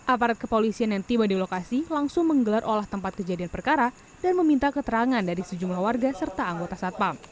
aparat kepolisian yang tiba di lokasi langsung menggelar olah tempat kejadian perkara dan meminta keterangan dari sejumlah warga serta anggota satpam